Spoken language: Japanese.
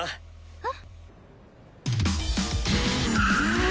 えっ？